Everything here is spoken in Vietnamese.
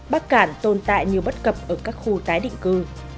bắc cản tồn tại nhiều bất cập ở các khu tái định cư